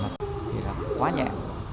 thì là quá nhẹ